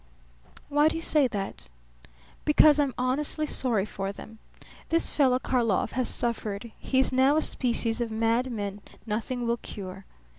"Why do you say that?" "Because I'm honestly sorry for them. This fellow Karlov has suffered. He is now a species of madman nothing will cure.